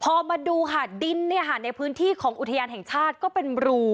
พอมาดูค่ะดินในพื้นที่ของอุทยานแห่งชาติก็เป็นรู